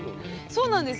そうなんです。